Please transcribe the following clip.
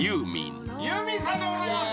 ユーミンさんでございます！